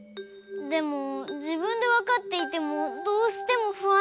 でもじぶんでわかっていてもどうしてもふあんになっちゃう。